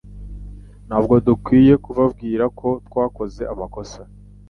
Ntabwo dukwiye kubabwira ko twakoze amakosa?